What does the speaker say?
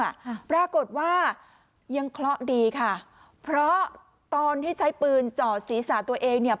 ค่ะปรากฏว่ายังเคราะห์ดีค่ะเพราะตอนที่ใช้ปืนจ่อศีรษะตัวเองเนี่ย